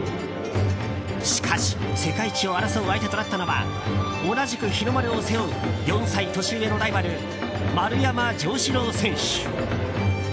しかし世界一を争う相手となったのが同じく日の丸を背負う４歳年上のライバル丸山城志郎選手。